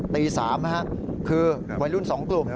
ตี๓คือวัยรุ่น๒กลุ่ม